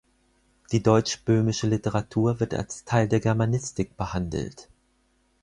Die deutschböhmische Literatur wird als Teil der Germanistik behandelt.